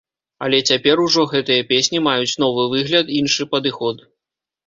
Але цяпер ужо гэтыя песні маюць новы выгляд, іншы падыход.